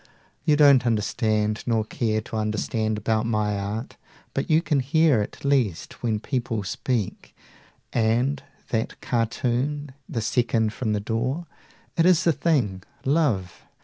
You don't understand Nor care to understand about my art, 55 But you can hear at least when people speak: And that cartoon, the second from the door It is the thing, Love!